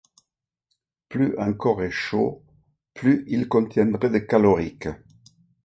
Plus un corps est chaud, plus il contiendrait de calorique.